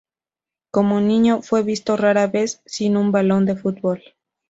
Como niño fue visto rara vez sin un balón de fútbol.